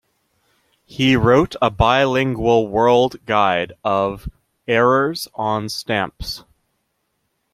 He wrote a bilingual world guide of "Errors on stamps".